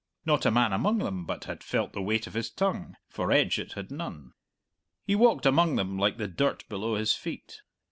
Not a man among them but had felt the weight of his tongue for edge it had none. He walked among them like the dirt below his feet.